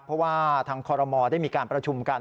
เพราะว่าทางคอรมอลได้มีการประชุมกัน